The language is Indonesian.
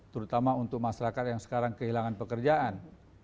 terutama untuk masyarakat yang sekarang kehilangan pekerjaan